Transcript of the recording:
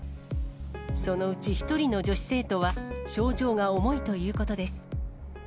そのうち１人の女子生徒は、症状が重いということです。